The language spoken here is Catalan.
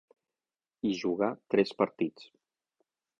Hi jugà tres partits.